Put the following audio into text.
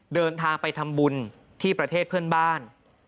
เดินทางไปทำบุญที่ประเทศเพื่อนบ้าน